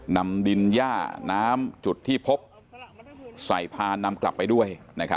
นำดินย่าน้ำจุดที่พบใส่พานนำกลับไปด้วย